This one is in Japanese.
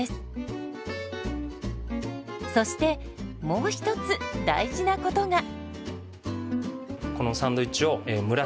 そしてもう一つ大事なことが。